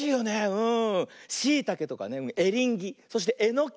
うん。